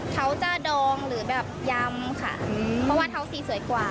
เขาจะดองหรือแบบยำค่ะเพราะว่าเท้าสีสวยกว่า